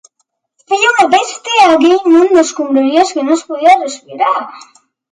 Feia una pesta, aquell munt d'escombraries, que no es podia respirar.